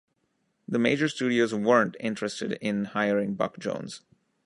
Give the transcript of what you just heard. The major studios weren't interested in hiring Buck Jones.